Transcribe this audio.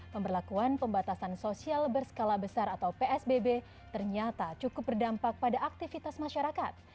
pemberlakuan pembatasan sosial berskala besar atau psbb ternyata cukup berdampak pada aktivitas masyarakat